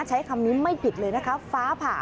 ใช้คำนี้ไม่ปิดเลยนะคะฟ้าผ่า